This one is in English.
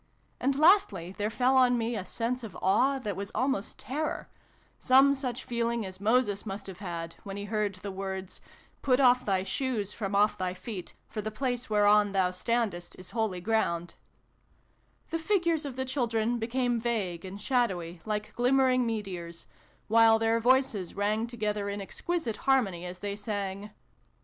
And lastly there fell on me a sense of awe that was almost terror some such feeling as Moses must have had when he heard the words " Put off thy shoes from off thy feet, for the place whereon thou standest is holy ground" The figures of the children be came vague and shadowy, like glimmering meteors : while their voices rang together in exquisite harmony as they sang : Xix] A FAIRY DUET.